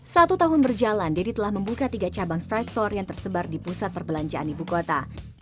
satu tahun berjalan deddy telah membuka tiga cabang strike store yang tersebar di pusat perbelanjaan ibu kota